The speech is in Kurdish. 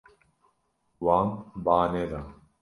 Wan ba neda.